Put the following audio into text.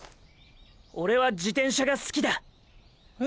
オレは自転車が好きだ。え。